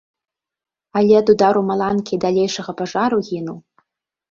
Але ад удару маланкі і далейшага пажару гінуў.